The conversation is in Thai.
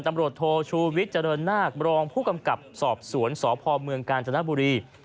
ตำรวจโทชูวิทย์เจริญนาครองผู้กำกับสอบสวนสพเมืองกาญจนบุรี